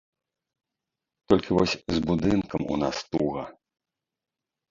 Толькі вось з будынкам у нас туга.